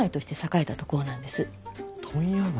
問屋街。